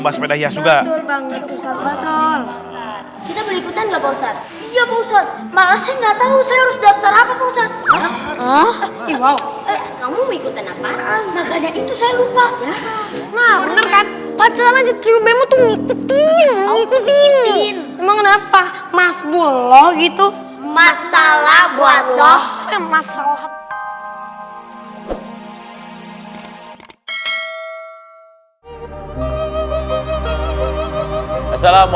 assalamualaikum warahmatullahi wabarakatuh